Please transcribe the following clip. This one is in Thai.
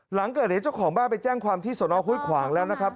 หลังเกิดเหตุเจ้าของบ้านไปแจ้งความที่สนห้วยขวางแล้วนะครับ